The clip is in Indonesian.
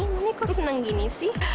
kenapa senang gini sih